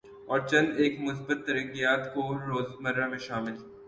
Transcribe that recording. اور چند ایک مثبت ترغیبات کو روزمرہ میں شامل